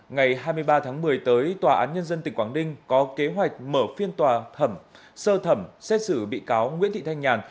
ngày hai mươi ba tháng một mươi tới tòa án nhân dân tỉnh quảng ninh có kế hoạch mở phiên tòa thẩm sơ thẩm xét xử bị cáo nguyễn thị thanh nhàn